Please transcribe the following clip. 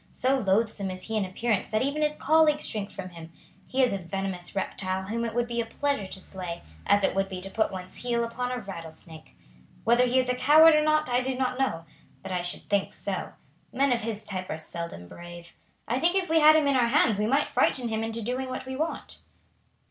So loathsome is he in appearance that even his colleagues shrink from him. He is a venomous reptile whom it would be a pleasure to slay, as it would be to put one's heel upon a rattlesnake. Whether he is a coward or not I do not know, but I should think so. Men of his type are seldom brave. I think if we had him in our hands we might frighten him into doing what we want."